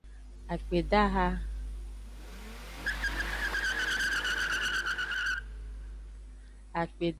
Akpedaha.